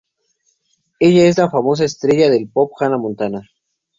Ella es la famosa estrella del pop, Hannah Montana.